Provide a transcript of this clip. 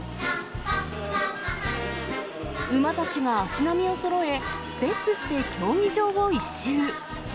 馬たちが足並みをそろえ、ステップして競技場を一周。